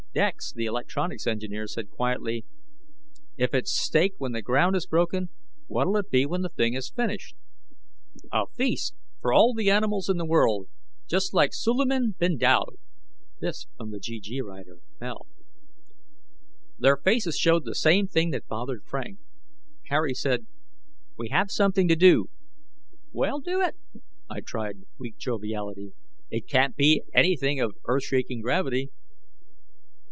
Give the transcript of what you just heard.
Dex, the electronics engineer, said quietly, "If it's steak when the ground is broken, what'll it be when the thing is finished?" "A feast, for all the animals in the world just like Suleiman bin Daoud." This, from the GG writer, Mel. Their faces showed the same thing that bothered Frank. Harry said, "We have something to do." "Well, do it!" I tried weak joviality: "It can't be anything of earth shaking gravity."